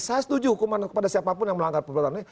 saya setuju hukuman kepada siapapun yang melanggar perbuatan ini